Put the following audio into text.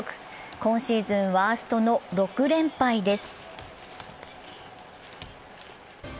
今シーズンワーストの６連敗です。